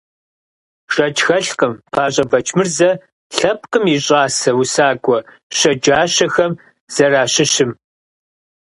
Шэч хэлъкъым ПащӀэ Бэчмырзэ лъэпкъым и щӀасэ усакӀуэ щэджащэхэм зэращыщым.